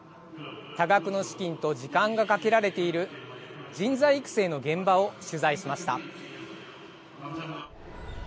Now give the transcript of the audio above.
多額の資金と時間がかけられている人材育成の現場を取材しました。